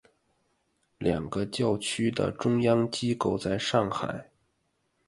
两个教区的中央机构在上海。